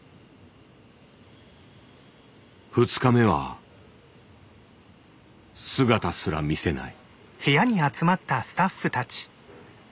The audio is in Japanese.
２日目は姿すら見せない。